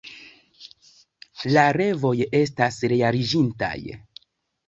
La revoj estas realiĝintaj.